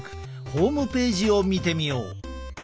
ホームページを見てみよう。